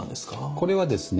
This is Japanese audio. これはですね